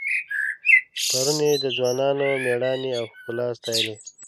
پرون یې د ځوانانو میړانې او ښکلا ستایلې.